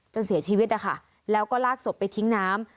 เสียชีวิตนะคะแล้วก็ลากศพไปทิ้งน้ำ